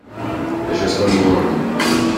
Beidh sé ar scoil amárach